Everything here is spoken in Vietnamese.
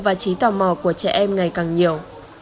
và trí tò mò của trẻ em ngày càng nhiều